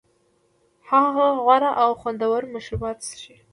هغه غوره او خوندور مشروبات څښي